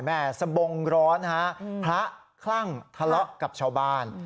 สบงร้อนฮะพระคลั่งทะเลาะกับชาวบ้าน